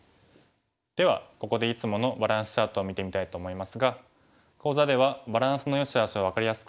ではここでいつものバランスチャートを見てみたいと思いますが講座ではそれでは安田さん白のバランスチャートをお願いします。